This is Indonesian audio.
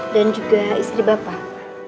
dan juga istri bapak